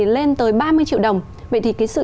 lên tới ba mươi triệu đồng vậy thì cái sự